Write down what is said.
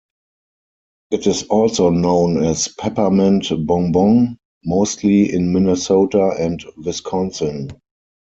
It is also known as peppermint bon bon, mostly in Minnesota and Wisconsin.